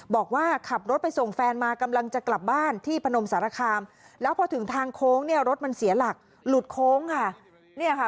บอกว่าขับรถไปส่งแฟนมากำลังจะกลับบ้านที่พนมสารคามแล้วพอถึงทางโค้งเนี่ยรถมันเสียหลักหลุดโค้งค่ะ